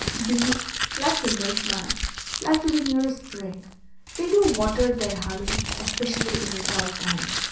Bees, like the milkman, like to be near a spring. They do water their honey, especially in a dry time.